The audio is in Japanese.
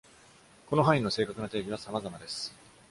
この範囲の正確な定義は様々です。